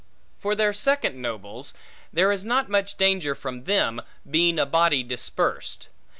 For their second nobles; there is not much danger from them, being a body dispersed.